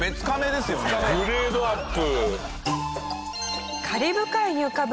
グレードアップ。